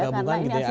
karena ini aksi jual